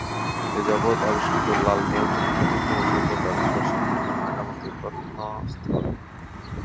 এযাবৎ আবিষ্কৃত লালমাই অঞ্চলের প্রাচীনতম সভ্যতার নিদর্শন হল ময়নামতি প্রত্নস্থল।